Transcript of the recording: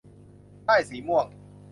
ได้สีม่วง